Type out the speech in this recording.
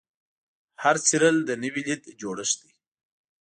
هر څیرل د نوې لید جوړښت دی.